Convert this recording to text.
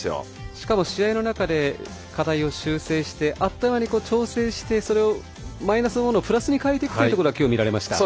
しかも試合の中で課題を修正してあっという間に調整してマイナスのものをプラスに変えていくというのが今日、見られました。